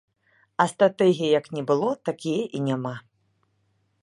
А стратэгіі як не было, так яе і няма.